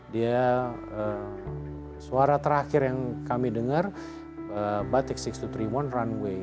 dia suara terakhir yang kami dengar batik enam ribu dua ratus tiga puluh satu runway tiga puluh tiga